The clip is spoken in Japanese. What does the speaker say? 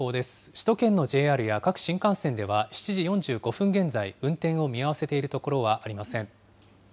首都圏のＪＲや各新幹線では、７時４５分現在、運転を見合わせているところはありません。